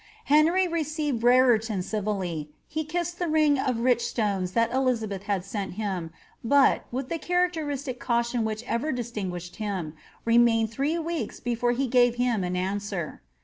Henry received Brereton civilly, he kissed the ring of rich stones that Elizabeth had sent him, but, witli the characteristic caution which ever distinguished him, remained three weeks before he gave him an answer.